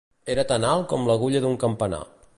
Era tan alt com l'agulla d'un campanar.